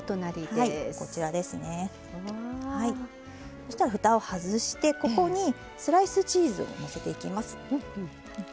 そうしたらふたを外してここにスライスチーズをのせていきます。